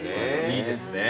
いいですね。